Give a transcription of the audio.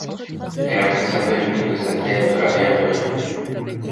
Elle a conservé le nom de sa terre de la Herverie.